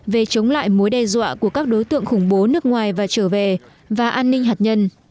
về chống lại mối đe dọa của các đối tượng khủng bố nước ngoài và trở về và an ninh hạt nhân